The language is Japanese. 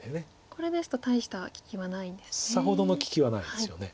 これですと大した利きはないんですね。